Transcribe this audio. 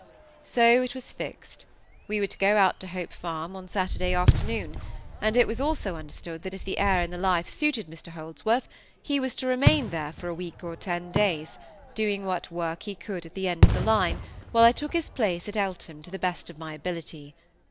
So it was fixed. We were to go out to Hope Farm on Saturday afternoon; and it was also understood that if the air and the life suited Mr Holdsworth, he was to remain there for a week or ten days, doing what work he could at that end of the line, while I took his place at Eltham to the best of my ability.